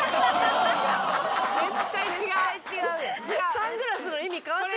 サングラスの意味変わってくる。